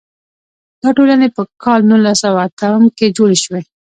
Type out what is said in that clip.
دا ټولنې په کال نولس سوه اتم کې جوړې شوې.